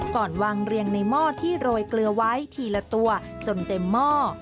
ก่อนวางเรียงในหม้อที่โรยเกลือไว้ทีละตัวจนเต็มหม้อ